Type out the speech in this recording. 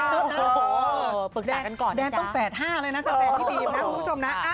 เราต้องปรึกษากันก่อนนะจ๊ะแดดต้องแฝด๕เลยนะจากแดดพี่บีมนะคุณผู้ชมนะ